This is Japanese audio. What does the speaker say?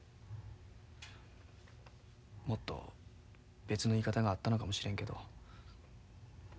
もっと別の言い方があったのかもしれんけど。